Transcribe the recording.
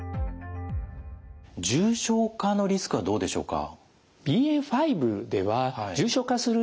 重症化のリスクはどうでしょうか？